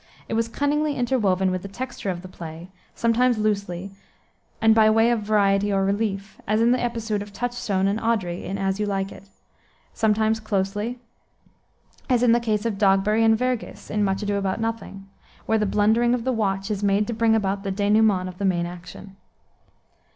It was cunningly interwoven with the texture of the play, sometimes loosely, and by way of variety or relief, as in the episode of Touchstone and Audrey, in As You Like It; sometimes closely, as in the case of Dogberry and Verges, in Much Ado about Nothing, where the blundering of the watch is made to bring about the denouement of the main action.